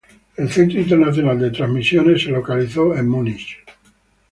El "Centro internacional de transmisiones" fue localizado en Múnich.